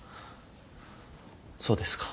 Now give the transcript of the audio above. そうですか。